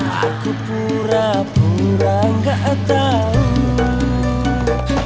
aku pura pura gak tau